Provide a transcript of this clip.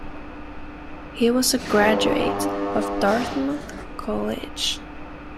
He was a graduate of Dartmouth College.